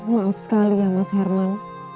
maaf sekali ya mas herman